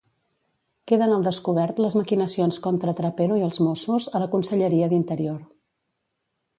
Queden al descobert les maquinacions contra Trapero i els Mossos a la Conselleria d'Interior.